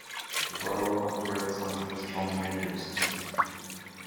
The borough operates under a "strong mayor" system.